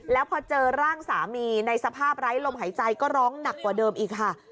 แล้วพอเจอร่างสามีในสภาพไร้ลมหายใจก็ร้องหนักกว่าเดิมอีกค่ะ